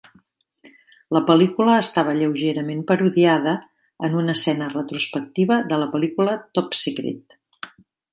La pel·lícula estava lleugerament parodiada en una escena retrospectiva de la pel·lícula Top Secret!